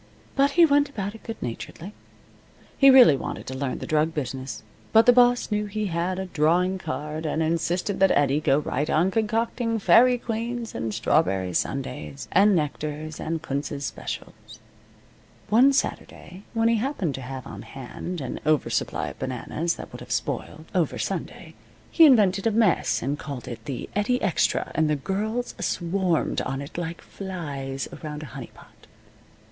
But he went about it good naturedly. He really wanted to learn the drug business, but the boss knew he had a drawing card, and insisted that Eddie go right on concocting faerie queens and strawberry sundaes, and nectars and Kunz's specials. One Saturday, when he happened to have on hand an over supply of bananas that would have spoiled over Sunday, he invented a mess and called it the Eddie Extra, and the girls swarmed on it like flies around a honey pot.